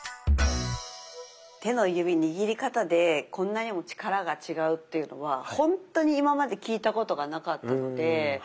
手の指握り方でこんなにも力が違うっていうのはほんとに今まで聞いたことがなかったので。